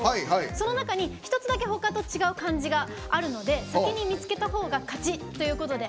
その中に一つだけ他と違う漢字があるので先に見つけたほうが勝ちということで。